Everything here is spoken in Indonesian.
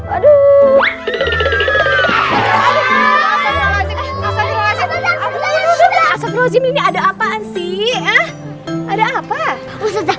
ada ada apaan sih ada apa